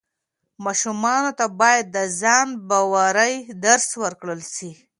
ماشومانو ته باید د ځان باورۍ درس ورکړل سي.